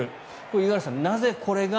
五十嵐さん、なぜこれが。